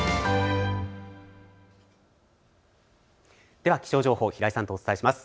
では気象情報、平井さんとお伝えします。